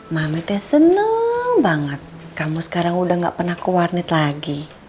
mami teh seneng banget kamu sekarang udah gak pernah ku warnet lagi